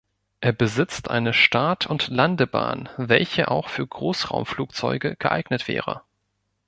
Er besitzt eine Start- und Landebahn, welche auch für Großraumflugzeuge geeignet wäre.